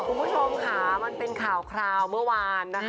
คุณผู้ชมค่ะมันเป็นข่าวคราวเมื่อวานนะคะ